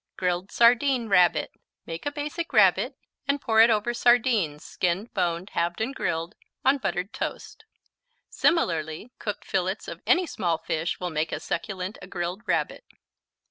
Grilled Sardine Rabbit Make a Basic Rabbit and pour it over sardines, skinned, boned, halved and grilled, on buttered toast. Similarly cooked fillets of any small fish will make as succulent a grilled Rabbit.